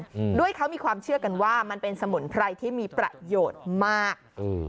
อืมด้วยเขามีความเชื่อกันว่ามันเป็นสมุนไพรที่มีประโยชน์มากเออ